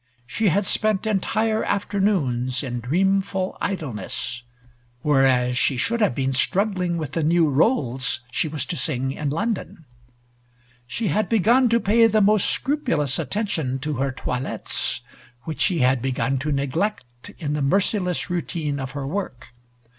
She had spent entire afternoons in dreamful idleness, whereas she should have been struggling with the new roles she was to sing in London. She had begun to pay the most scrupulous attention to her toilettes, which she had begun to neglect in the merciless routine of her work.